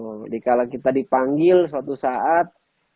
jadi kalau kita dipanggil suatu saat